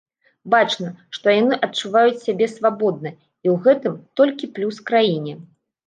Бачна, што яны адчуваюць сябе свабодна, і ў гэтым толькі плюс краіне.